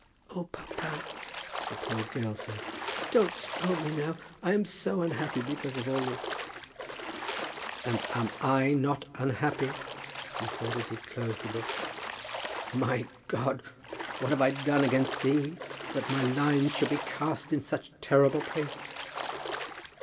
"Oh, papa," the poor girl said, "don't scold me now. I am so unhappy because of all this." "And am not I unhappy?" he said, as he closed the book. "My God, what have I done against thee, that my lines should be cast in such terrible places?"